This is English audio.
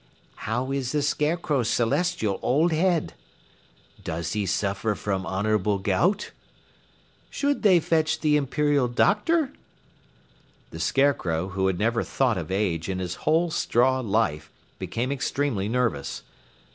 "How is the Scarecrow's celestial old head?" "Does he suffer from honorable gout?" "Should they fetch the Imperial Doctor?" The Scarecrow, who had never thought of age in his whole straw life, became extremely nervous.